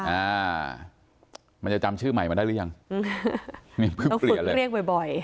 อ่ามันจะจำชื่อใหม่มาได้หรือยังเพื่อเปลี่ยนเลยเรียกบ่อยบ่อย